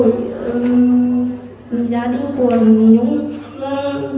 vị cáo linh chưa bị cáo xong